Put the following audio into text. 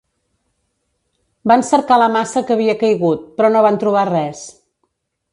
Van cercar la massa que havia caigut, però no van trobar res.